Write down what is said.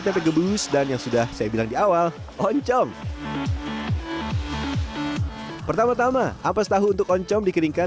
tete gebuus dan yang sudah saya bilang di awal oncom pertama tama apas tahu untuk oncom dikeringkan